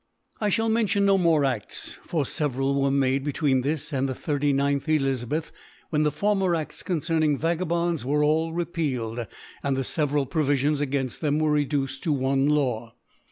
I fliall mention no more Afts (for feveral t^ere made) between this and the 39th £// luibttb^ when the former A6ts concerning Vagabonds were all repealed, and the feve ral Provifions againfl them were reduced tb one Law.